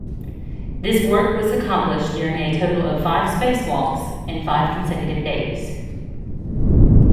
This work was accomplished during a total of five spacewalks in five consecutive days.